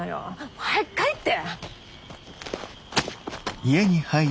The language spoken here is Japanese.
もう早く帰って！